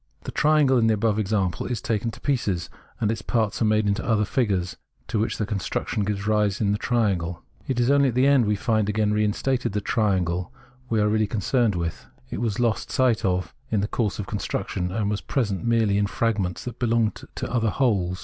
The triangle in the above example is taken to pieces, and its parts made into other figures to which the construction gives rise in the triangle. It is only at the end that we find again reinstated the triangle we are really concerned with ; it was lost sight of in the course of the construction, and was present merely in fragments, that belonged to other wholes.